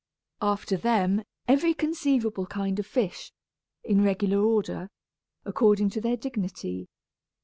After them, every conceivable kind of fish, in regular order, according to their dignity.